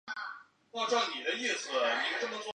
卡尔多苏莫雷拉是巴西里约热内卢州的一个市镇。